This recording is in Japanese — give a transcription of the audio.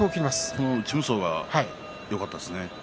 この内無双がよかったですね。